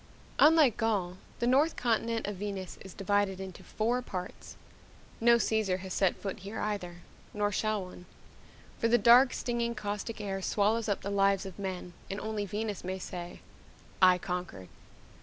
Unlike Gaul, the north continent of Venus is divided into four parts. No Caesar has set foot here either, nor shall one for the dank, stinging, caustic air swallows up the lives of men and only Venus may say, I conquered.